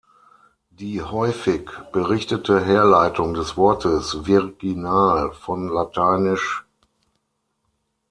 Die häufig berichtete Herleitung des Wortes Virginal von lat.